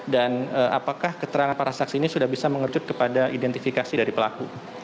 dan apakah keterangan para saksi ini sudah bisa mengerjut kepada identifikasi dari pelaku